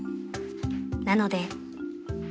［なので］